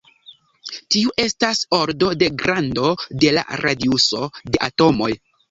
Tiu estas ordo de grando de la radiuso de atomoj.